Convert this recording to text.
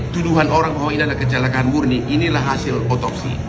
tuduhan orang bahwa ini adalah kecelakaan murni inilah hasil otopsi